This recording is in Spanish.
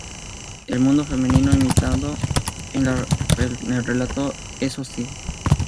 El mundo femenino imitado en el relato es hostil.